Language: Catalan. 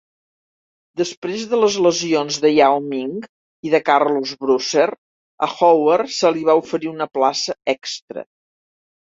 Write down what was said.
Després de les lesions de Yao Ming i de Carlos Boozer, a Howard se li va oferir una plaça extra.